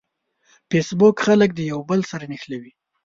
فېسبوک خلک د یوه بل سره نښلوي.